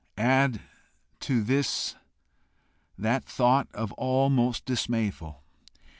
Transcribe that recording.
Add to this that thought of all most dismayful!